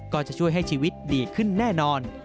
ก็จะช่วยให้ชีวิตดีขึ้นแน่นอน